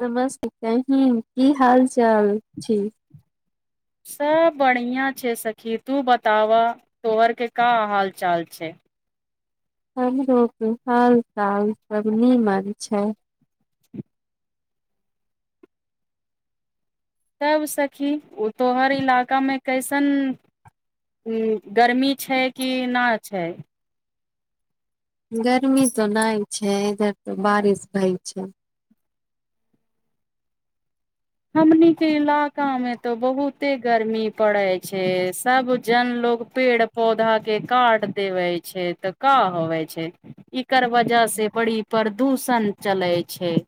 समस्त कही की हाल चाल छी? [inaudible] सब बढ़िआँ छैय सखी तू बताब तोहरके का हाल चाल छैय? [unintelligible] हाल चाल नीमन छैय। तब सखी ओ तो हर इलाकामे कैसन गर्मी छै कि ना छै गर्मी तऽ नहि छै इधर तऽ बारिश भ‌इ छै हमनी के इलाका मे तऽ बहुते गर्मी पड़ैत छैय सब जन लोग पेड़ पौधा के काट देबै छैय तऽ का होवे छैय एकर वजह से बड़ी प्रदूषण चलय छैय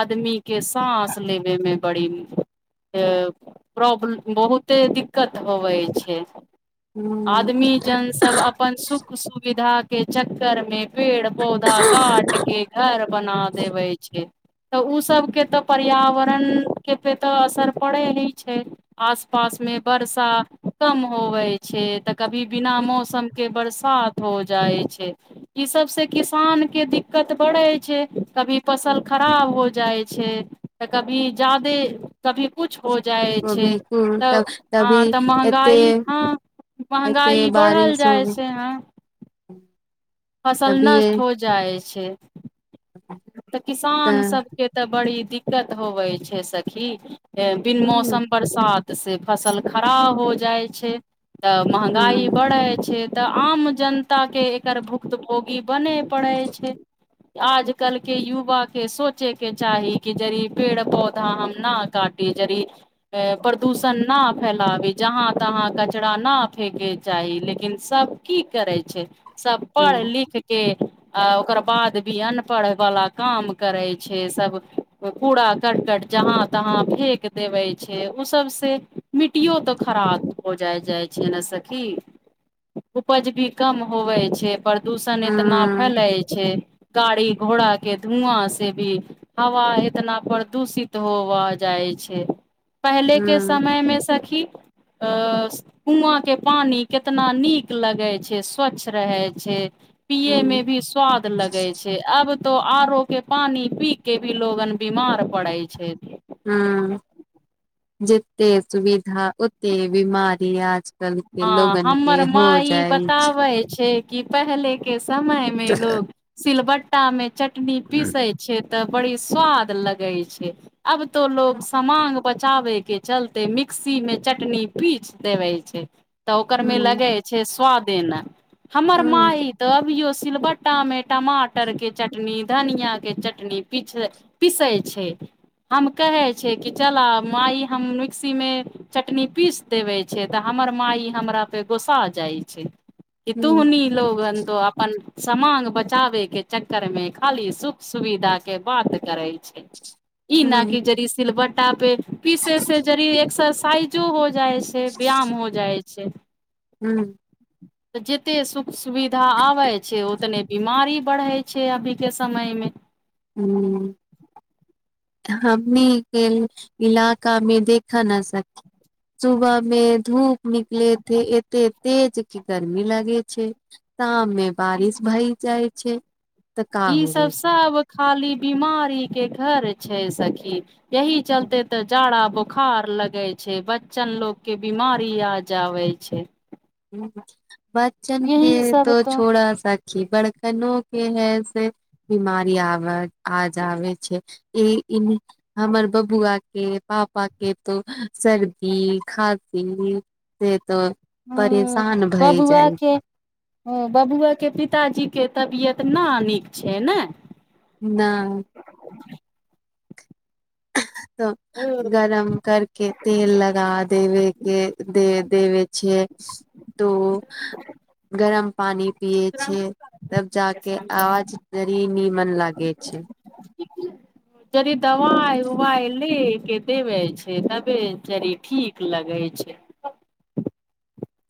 आदमी के सास लेबे मे बड़ी प्रॉब्लम बहुते दिक्कत होबै छैय। हूँ आदमी जनसभ अपन सुख सुविधाके चक्करमे पेड़ पौधा काट के घर बना देवे छैय। तऽ ओसभके तऽ पर्यावरण के पे तो असर पड़े ही छैय आस पास मे वर्षा कम होवे छैय। तऽ कभी बिना मौसम के बरसात हो जाइ छैय ई सब से किसान के दिक्कत बढ़ै छैय। कभी फसल खराब हो जाइ छैय तऽ कभी जादे कभी कुछ हो जाइ कोबी छैय कुल तऽ तब तभी हँ तऽ एते महगाई हँ महँगाई बढ़ल जाइ छैय ह। ह्म फसल नष्ट हो जाइ छैय। तऽ किसान तऽ सभके तऽ बड़ी दिक्कत होबै छै सखी बिन हूँ मौसम बरसात से फसल खड़ाब हो जाय छै तऽ महगांई हूँ बढ़ैत छै तऽ आम जनताके एकर भु भोगी बने पड़ै छै आजकल के युवा के सोचे के चाही कि जरी पेड़ पौधा हम न काटे प्रदूषण न फैलावे जहाँ तहाँ कचड़ा न फेके जा ची लेकिन सब की करै छै सब पढ़ हूँ लिखके आ ओकर बाद भी अनपढ़ वला काम करै छै सब कूड़ा करकट जहाँ तहा फेेक देवे छै उ सब से मिट्टियो ते खराब हो जाय जाय छै न सखी उपज भी कम होवै छै दूषण एतना हूँ फैलाइ छै गाड़ी घोड़ा के धुआँ से भी हवा इतना प्रदूषित होव जाय जाय छै पहिले के हूँ समय मे सखी अ कुआँ के पानी केितना नीक लगे छै स्वच्छ रहे छै पिये मे हूँ भी स्वाद लगे छै आब तो आरो के पानी पी के भी लोगन बीमार पड़ै छै जत्ते सुविधा ओत्ते बीमारी आज हँ हमर मा ई छै बताबै छै कि पहले के समय में लोग सिलबट्टा में चटनी पीसे छै त बड़ी स्वाद लगे छै अब तो लोग समांग ब पचाबे के चलते मिक्सी मे चटनी पीच देबे छै तऽ ओकर में हूँ लगे छै स्वादेना हमर हूँ माय तऽ अभियो सिलबट्टा में टमाटर के चटनी धनिया के चटनी पिस पीसै छै हम कहै छिय कि चल माइ हम मिक्सीमे चटनी पीस देबै छै तऽ हम हमर माइ हमरा पे गोसा जाइ छै कि हूँ तुहनी लोगन तो अपन समांग बचावे के चक्कर मे खाली सुख सुविधा के बात करे ई हुं नहि ज सिलबटा पे पीसे से ज एक्सरसाइजो हो जाइ छै व्यायाम हो जाइ छै ह्म जेते सुख सुविधा आवै छै ओ तने बीमारी बढ़ै छै अभीक के समय मे ह्म हमनी ख इलाकामें देखा न सकी सुबह मे धूप निकलेथे ए त तेज कि गरमी लागे छै शमे मे बारिश भई जाइ छै तऽ का ई होवे छै सबसब खाली बीमारी के घर छै सखी यही चलते ते जाड़ा ब बोखार लगै छै बच्चन लोग के बीमारी आ जाबे छै बच्चन यही के सब तो छोड़ा सखी बड़का एनो के हैय से बीमारी आब आजाबे छै ई हमर बबुआ के पापा के तो सर्दी खाँसी से तऽ ह बबुआ के बबुआ के पिताजी के तबियत न नीक छै ने नहि [unintelligible] त गरम करके तेल लगा देबे के दे देव छै तो गरम पानी पियए छै तब जाक आवाज जाके नीमन लागे छै जदि दवाय उवाय ले के देेब छै तबेचरी ठीक लगै छै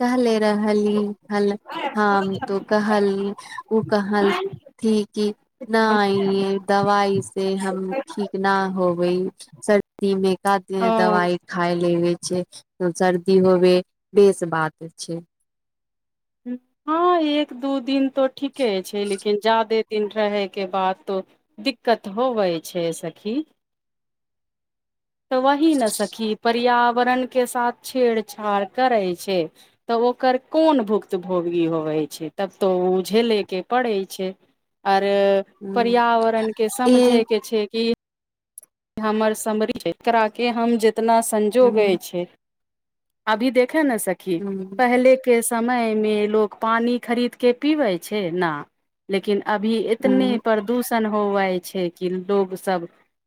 कहले रहली हल हम तो कहली ओ कहल ठीक कि नइे दवाइ से हम ठीक न हो सर्दी मे कते है ओ दवाई खाय लेबइ सर्दी होबे बेस बात छै हँ एक दू दिन तऽ ठीके छै लेकिन जादे दिन रहैके बाद तो दिक्कत होबै छै सखी त वहि न सखी पर्यावरण के साथ छेड़छाड़ करे छै तऽ ओकर कोन भुक भोगी होवे छै तब तो ओ झेले के पड़ै छै आ ह परियावरण के ए समझे के छय की हमर समरी छै एकराके हम जितना संजोगे ह छै अभी देखे ने सखी ह पहले के समय मे लोग पानी खरीद के पीबै छै ना लेकिन अभी एतने आरो प्रदूषण होवय छै कि लोग सब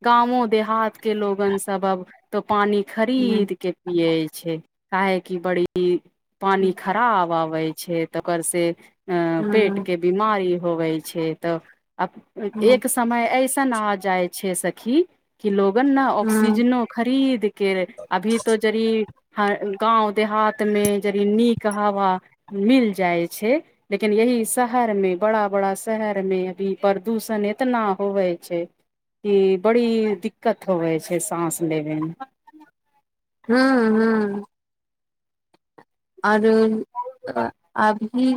गाँवो देहात के लोगन सब अब तो पानी खरीद के पियै छै काहेकि बड़ी पानी खराब आबै छै तकर से अ पेट के बीमारी होवै छै तऽ एक समय ऐ सन आ जाइ छै सखी कि लोक न ऑक्सीजनो खरीद के अभी तो जरी ह गाँव देहात मे जदी नीक हवा मिल जाइ छै लेकिन यही शहर मे बड़ा बड़ा शहर मे अभी प्रदूषण एतना होवे छै कि बड़ी दिक्कत होवे छै साँस लेबे मे हँ हँ आओर अभी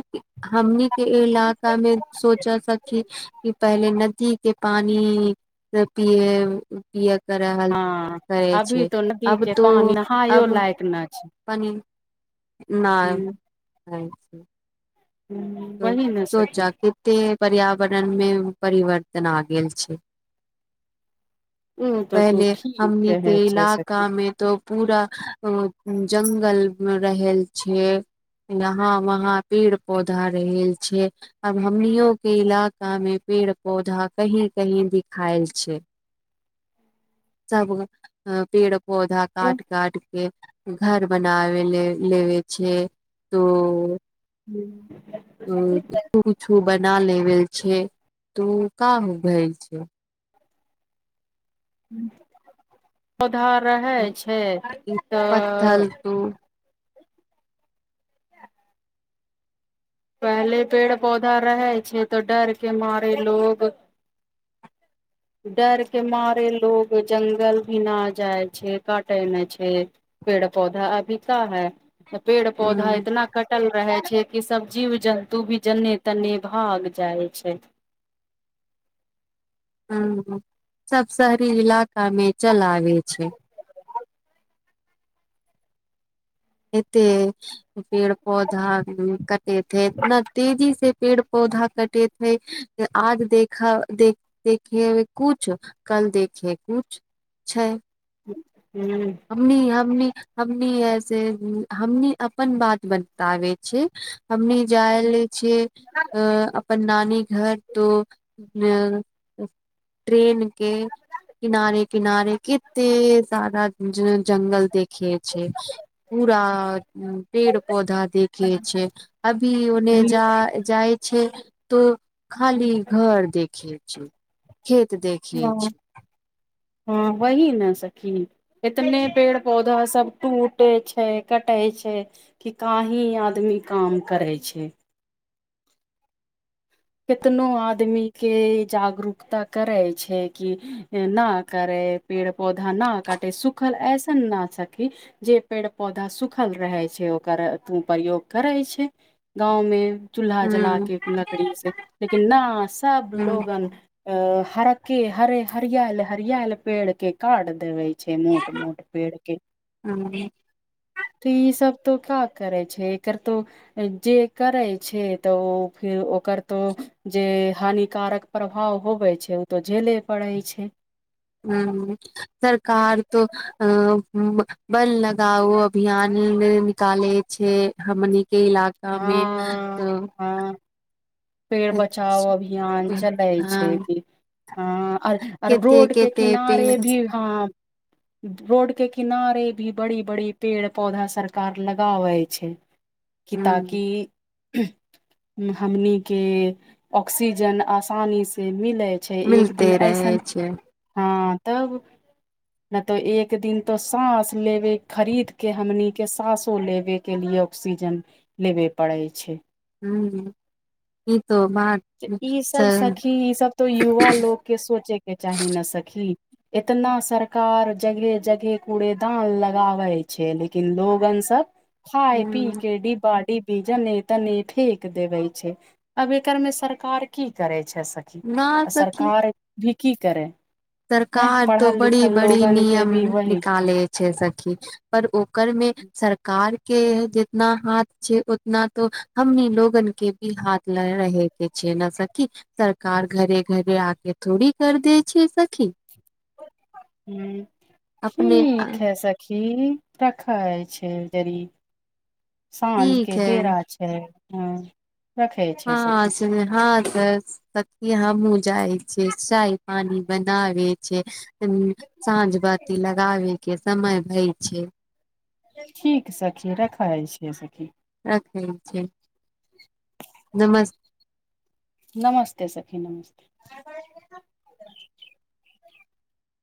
हमनी के इलकामे सोचा सखी कि पहले नदी के पानि पिय पिया कर हँ करै अभी छै तो नदी अब के तो पानी नहायो अब लायक न छै कनी नाय ह वही ने सोचा सखी कते पर्य वन मे परिवर्तन आ गेल छै ओ तो तू पहिले ठीक हमनी के कहै छै सखी इलाकामे तो पूरा जंगल मे रह छै यहाँ वहाँ पेड़ पौधे कटा रहेल छै आब हमनो के इलाका मे पेड़ पौधा कही कहीं दि खायल छै [inaudible] सब पेड़ पौधा काट काटके घर बनाव ले लेबे छै तो हूँ त तूछू बना लेबल छै त काम भेल छै [unintelligible] सुधर रहै छै तऽ पत्थल तो पहले पेड़ पौधा रहै छै तऽ डर के मारे लोग [inaudible] डर के मारे लोग जंगल भी ना जाइ छै काटे न छै पेड़ पौधा अभी का है त पेड़ पौधा अ, इतना कटल रहै छै जेकि सब जीव जन्तु भी जन्ने तन्ने भाग जाइ छै [inaudible] ह सब शहरी इलाका मे चलाबे छै एते पेड़ पौधा कटे है इतना तेजी से पेड़ पौधा कटे ह्य आज देख देख देखे कुछ कल देखे कुछ छै हूँ हमनी हमनी हमनी ऐसे हमनी अपन बात बताबै छै हमनी जाय छै अ अपन नानी घर तो ट्रेन के किनारे किनारे केते सारा ज जंगल देख देखे छै पूरा पेड़ पौधा देखे छै अभी ओने जा हँ जाइ छै तऽ खाली घर देखै छै खेत देखे हँ छै हँ वहि ने सखी इतने पेड़ पौधा सब टूटे छै कटे छै कि कहि आदमी काम करै छै कितनो आदमी के जागरूकता करै छै कि ना करै पेड़ पौधा न काटे सुखल एऐसन न सकी जे पेड़ पौधा सुखल रहै छै ओकर प्रयोग करै छै गाँंव मे चूल्हा जला हूँ के लकड़ी से लेकिन ना सब हूँ लोगन हरके हरे हरियल हरियल पेड़ के काट देबै छै मोट मोट पेड़ के हूँ तऽ ई सब तो का करै छै एक तो जे करै छै तऽ ओ फेर ओकर तो जे हानिकारक प्रभाव होबै छै ओ तऽ झेले पड़ै छै ह सरकार तऽ अ बन लग ओ अभियान निकाले छै हमनी के इलाका मे हँ त हँ पेड़ बचाव अभियान चलै छै हँ कि हर कते रोड के कते किनारे पेड़ भी ह रोड के किनारे भी बड़ी बड़ी पेड़ पौधा सरकार लगाबै छै कि हूँ ताकि हमनी के ऑक्सीजन आसानी से मिलै छै एक मिलते दिन रहै ऐसन छै हँ तब न तो एक दिन तो सांस लेबे खरीद के हमनी के सांसो लेबे के लि ऑक्सीजन लेबे पड़ै छै हू त ई सब सखी ई सब तऽ युवा लोकके सोचेके चाही ने सखी एतना सरकार जगह जगह कूड़ेदान लगाबै छै लेकिन लोगन सब खाय पी के पार्टी भी जने तने फेेक देबे छै अब एकर में सरकार की करे छै सखी न आ सखी सरकार भी की करे हैं सरकार तो पढ़ल बड़ी लिखल बड़ी लोगन के नियम भी वही निकालै छै सखी पर ओकरमे सरकार के जितना हाथ छै उतना तो हमनी लोगन के भी हाथ ल रहे के छै छै न सखी सरकार घरे घरे आके थोड़ी कर देै छै सखी ह अपने ठीक है सखी सखी रखे छै जरी साँझ के ठीक है बेरा छै हँ हँ सु हँ त सखि हमहुँ जाइ छियै चाय पानि बनाब छै साझ बाति लग लगाबे के समय भय छै ठीक सखी रखै छियै सखी रखै छै नमस नमस्ते सखी नमस्ते